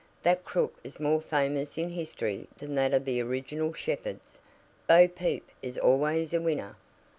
"That crook is more famous in history than that of the original shepherds. 'Bo Peep' is always a winner."